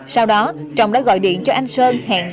sau đó trọng đã gọi điện cho anh sơn